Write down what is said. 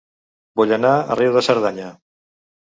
Vull anar a Riu de Cerdanya